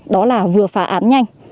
đó là vừa phá án nhanh